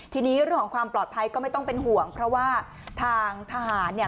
ทีนี้เรื่องของความปลอดภัยก็ไม่ต้องเป็นห่วงเพราะว่าทางทหารเนี่ย